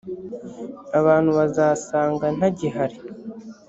abantu bazasanga ntagihari.